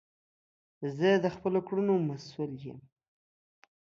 زه د خپلو کړونو مسول یی